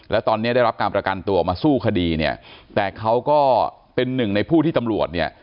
แล้วตอนนี้ได้รับการประกันตัวออกมาสู้คดีเนี่ยแต่เขาก็เป็นหนึ่งในผู้ที่ตำรวจเนี่ย